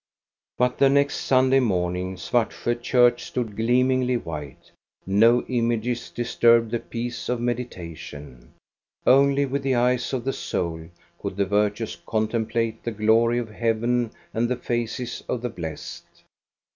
But the next Sunday morning Svartsjo church stood gleamingly white. No images disturbed the peace of meditation. Only with the eyes of the soul could the virtuous contemplate the glory of heaven and the faces of the blessed.